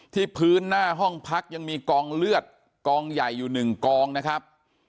ที่พื้นหน้าห้องพักยังมีกองเลือดกองใหญ่อยู่หนึ่งกองนะครับ